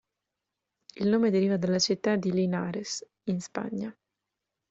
Il nome deriva dalla città di Linares, in Spagna.